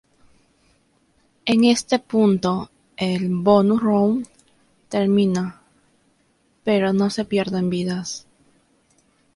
En ese punto, el "bonus round" termina, pero no se pierden vidas.